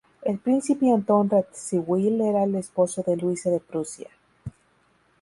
El Príncipe Anton Radziwiłł era el esposo de Luisa de Prusia.